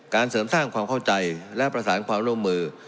เสริมสร้างความเข้าใจและประสานความร่วมมือ